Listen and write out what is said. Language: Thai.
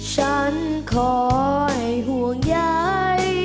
ฉันขอให้ห่วงยัง